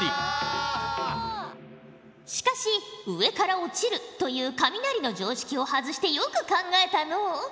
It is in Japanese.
しかし上から落ちるという雷の常識を外してよく考えたのう。